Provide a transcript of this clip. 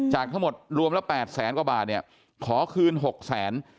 จากทั้งหมดรวมละ๘แสนกว่าบาทขอคืน๖๐๐๐๐๐บาท